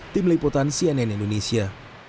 tim liputan cnn indonesia